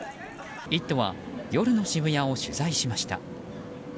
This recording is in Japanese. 「イット！」は夜の渋谷を取材しました。